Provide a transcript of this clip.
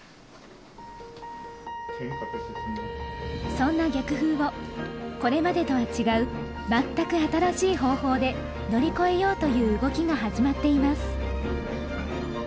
そんな逆風をこれまでとは違う全く新しい方法で乗り越えようという動きが始まっています。